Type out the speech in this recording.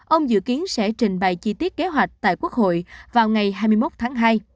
ông dự kiến sẽ trình bày chi tiết kế hoạch tại quốc hội vào ngày hai mươi một tháng hai